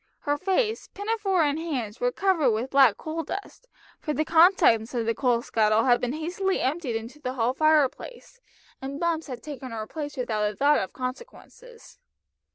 Her face, pinafore and hands were covered with black coal dust, for the contents of the coal scuttle had been hastily emptied into the hall fire place, and Bumps had taken her place without a thought of consequences.